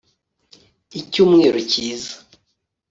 icyumweru cyiza